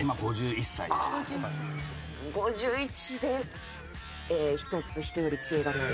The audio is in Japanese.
５１で「１つ人より知恵がない」？